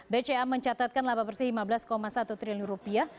bca mencatatkan laba bersih lima belas satu triliun rupiah